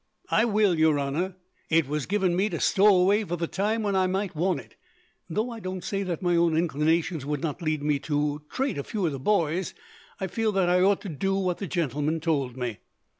"I will, your honour. It was given me to stow away for the time when I might want it, and though I don't say that my own inclinations would not lead me to trate a few of the boys, I feel that I ought to do what the gentleman told me."